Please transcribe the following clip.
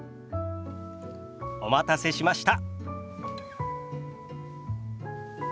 お待たせしました。